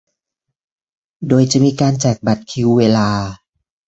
โดยจะมีการแจกบัตรคิวเวลา